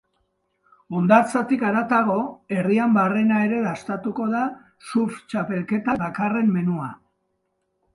Hondartzatik haratago, herrian barrena ere dastatuko da surf txapelketak dakarren menua.